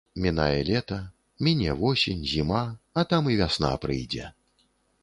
Мінае лета, міне восень, зіма, а там і вясна прыйдзе.